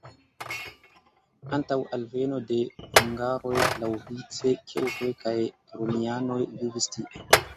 Antaŭ alveno de hungaroj laŭvice keltoj kaj romianoj vivis tie.